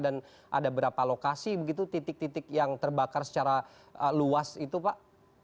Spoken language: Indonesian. dan ada berapa lokasi begitu titik titik yang terbakar secara luas itu pak